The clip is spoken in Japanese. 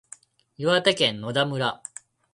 岩手県野田村